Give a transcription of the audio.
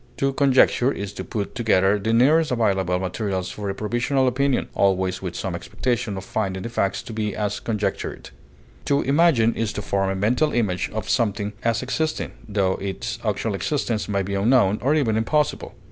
To conjecture is to put together the nearest available materials for a provisional opinion, always with some expectation of finding the facts to be as conjectured. To imagine is to form a mental image of something as existing, tho its actual existence may be unknown, or even impossible.